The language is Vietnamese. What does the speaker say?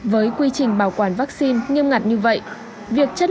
với quy trình bảo quản vaccine nghiêm ngặt như vậy